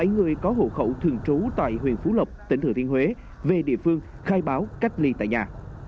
bảy người có hộ khẩu thường trú tại huyện phú lộc tỉnh thừa thiên huế về địa phương khai báo cách ly tại nhà